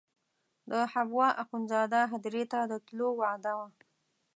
د حبوا اخندزاده هدیرې ته د تلو وعده وه.